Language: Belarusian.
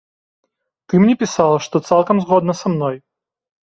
Ты мне пісала, што цалкам згодна са мной.